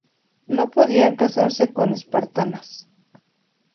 No podían casarse con espartanas.